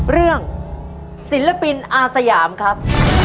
เรื่องศิลปินอาสยามครับ